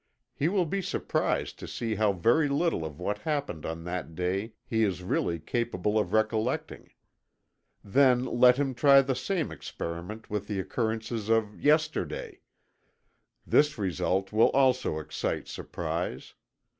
He will be surprised to see how very little of what happened on that day he is really capable of recollecting. Then let him try the same experiment with the occurrences of yesterday this result will also excite surprise.